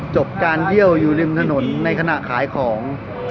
จบการเยี่ยวอยู่ริมถนนในขณะขายของ